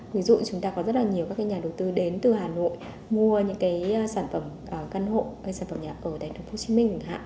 ví dụ chúng ta có rất là nhiều các nhà đầu tư đến từ hà nội mua những sản phẩm căn hộ sản phẩm nhà ở tp hcm